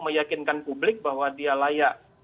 meyakinkan publik bahwa dia layak